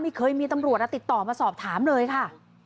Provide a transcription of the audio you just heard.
ไม่เคยมีตำรวจติดต่อมาสอบถามเลยค่ะ